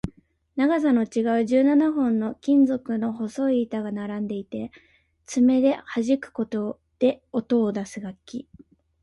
長さの違う十七本の金属の細い板が並んでいて、爪ではじくことで音を出す楽器